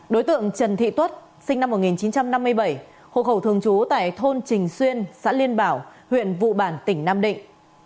đối tượng trần thị tuất sinh năm một nghìn chín trăm năm mươi bảy hộ khẩu thường trú tại thôn trình xuyên xã liên bảo huyện vụ bản tỉnh nam định